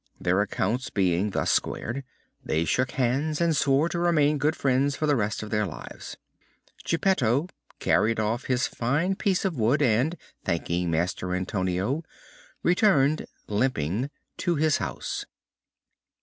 Their accounts being thus squared, they shook hands and swore to remain good friends for the rest of their lives. Geppetto carried off his fine piece of wood and, thanking Master Antonio, returned limping to his house.